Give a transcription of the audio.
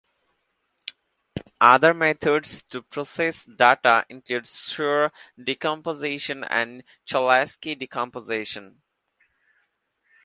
Other methods to process data include Schur decomposition and Cholesky decomposition.